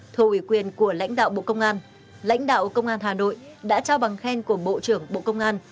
thù ủy quyền của lãnh đạo bộ công an lãnh đạo công an hà nội đã trao bằng khen của bộ trưởng bộ công an